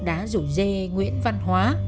đã rủ dê nguyễn văn hóa